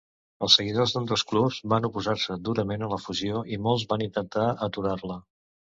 Els seguidors d'ambdós clubs van oposar-se durament a la fusió i molts van intentar aturar-la.